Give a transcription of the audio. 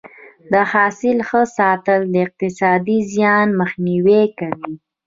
د حاصل ښه ساتنه د اقتصادي زیان مخنیوی کوي.